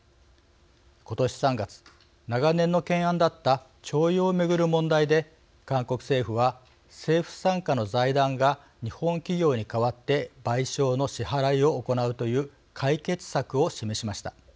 今年３月長年の懸案だった徴用を巡る問題で韓国政府は政府傘下の財団が日本企業に代わって賠償の支払いを行うという解決策を示しました。